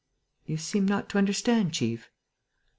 You seem not to understand, chief?"